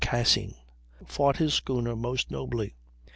Cassin, fought his schooner most nobly.